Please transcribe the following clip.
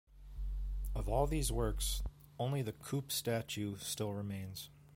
Of all these works, only the Kupe Statue still remains.